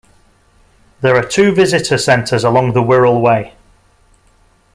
There are two visitor centres along the Wirral Way.